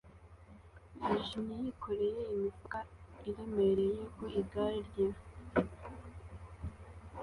yijimye yikoreye imifuka iremereye ku igare rye